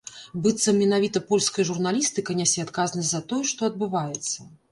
Быццам менавіта польская журналістыка нясе адказнасць за тое, што адбываецца.